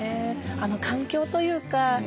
あの環境というか。